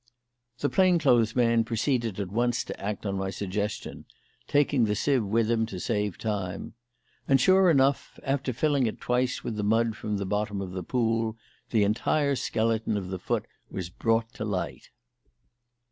The plain clothes man proceeded at once to act on my suggestion, taking the sieve with him to save time. And sure enough, after filling it twice with the mud from the bottom of the pool, the entire skeleton of the foot was brought to light.